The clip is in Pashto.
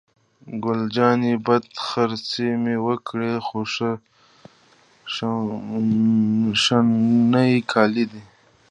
ګل جانې: بد خرڅي مې وکړل، خو ښه شبني کالي دي.